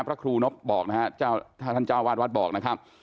พระครูน๊อบบอกนะฮะเจ้าท่านเจ้าอาวาสวัสดิ์บอกนะครับ